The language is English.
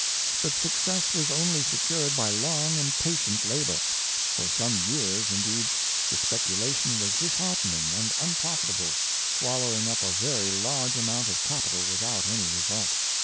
But success was only se cured by long and patient labor; for some years, in deed, the speculation was disheartening and unprofita ble, swallowing up a very large amount of capital with out any result.